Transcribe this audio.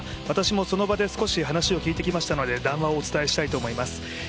私もその場で話を聞いてきましたので談話をお伝えしたいと思います。